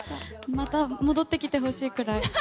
また戻ってきてほしいくらい。